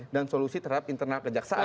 dan solusi terhadap internal kejaksaan